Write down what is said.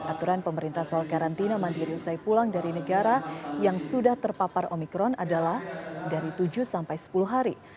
aturan pemerintah soal karantina mandiri usai pulang dari negara yang sudah terpapar omikron adalah dari tujuh sampai sepuluh hari